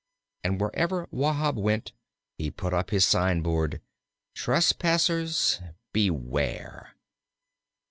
And wherever Wahb went he put up his sign board: Trespassers beware!